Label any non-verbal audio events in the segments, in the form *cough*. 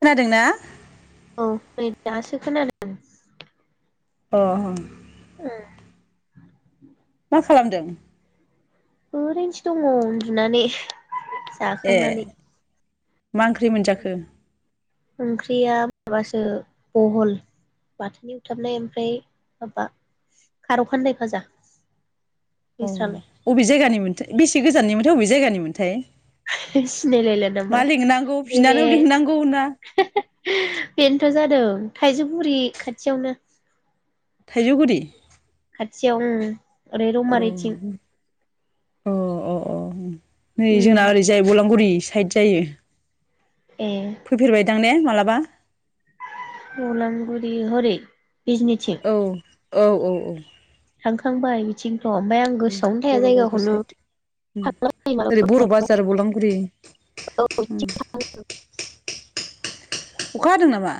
खोनादों ना? औ नै दासो खोनादों। अ। ए। मा खालामदों? ओरैनोसो दङ उन्दुनानै। ए जाखांनानै। मा ओंख्रि मोनजाखो? ओंख्रिया माबासो बहल बाथोन एवथाबनाय ओमफ्राय माबा खारौखान्दाय भाजा। अ अबे जायगानि मोन? बेसे गोजाननिमोनथाय अबे जायगानिमोनथाय? सिनायलायला नामा मा लिंनांगौ नैबे बिनानाव लिंनांगौ ना बेनोथ' जादों थाइजौ गुरि खाथियावनो। थाइजौगुरि खाथियाव उम। एरै औ रौमारिथिं। अ अ अ उम। नै उम जोंना ओरैजाय बलामगुरि। साइड जायो। ए फैफेरबायदां ने? माब्लाबा? बलामगुरि हरै बिजनिथिं औ। औ औ औ। थांखांबाय बिथिं। ओमफ्राय आं गोसोआवनो थाया बर' बाजार जायगाखौनो साइद ओरै बर' बाजार बलांगुरि *unintelligible* अखा हादों नामा?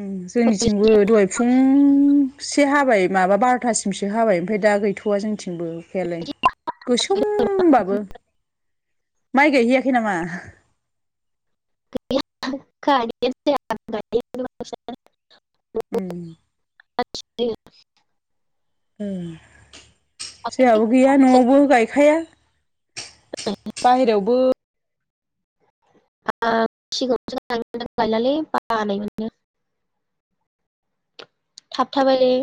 उम जोंनिथिंबो दहाय फुंसे हाबाय माबा बार'थासिम हाबाय ओमफाय दा गैथ'वा जोंनिथिं बो अखायालाय औ बिथिं गोसोमहोम्बाबो। माइ गायहैयाखै नामा? *unintelligible* उम *unintelligible* उम। जोहाबो गैया न'आवबो गायखाया। *unintelligible* बाहेरायावबो *unintelligible* बानाय मोनो। थाब थाबायलै।